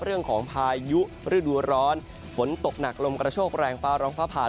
พายุฤดูร้อนฝนตกหนักลมกระโชคแรงฟ้าร้องฟ้าผ่า